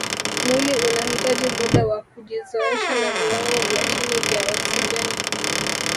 Mwili unahitaji muda wa kujizoesha na viwango vya chini vya oksijeni